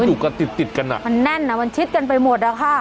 อยู่กันติดติดกันอ่ะมันแน่นอ่ะมันชิดกันไปหมดอะค่ะ